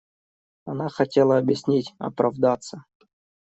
Она хотела объяснить, оправдаться.